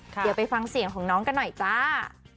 เดี๋ยวไปฟังเสียงของน้องกันหน่อยจ้า